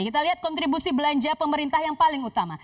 kita lihat kontribusi belanja pemerintah yang paling utama